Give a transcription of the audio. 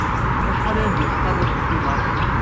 Acḥal ay am-d-yesqam uselkim-a?